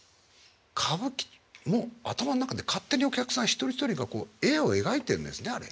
歌舞伎も頭ん中で勝手にお客さん一人一人が絵を描いてんですねあれ。